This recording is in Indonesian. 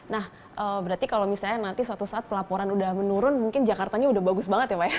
nah berarti kalau misalnya nanti suatu saat pelaporan udah menurun mungkin jakartanya udah bagus banget ya pak ya